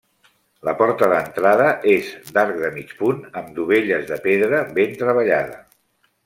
La porta d'entrada és d'arc de mig punt amb dovelles de pedra ben treballada.